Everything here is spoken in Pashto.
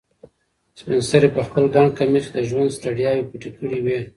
سپین سرې په خپل ګڼ کمیس کې د ژوند ستړیاوې پټې کړې وې.